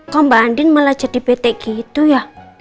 kok mbak andin malah jadi pt gitu ya